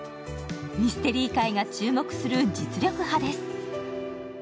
ミステリー界が注目する実力派です。